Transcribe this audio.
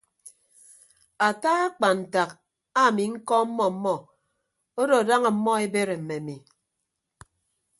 Ata akpan ntak ami ñkọọmmọ ọmmọ odo daña ọmmọ ebere mme ami.